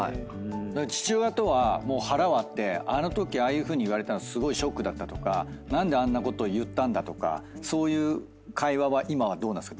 父親とは腹割ってあのときああいうふうに言われたのすごいショックだったとか何であんなことを言ったんだとかそういう会話はどうなんですか？